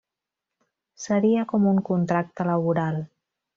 Seria com un contracte laboral.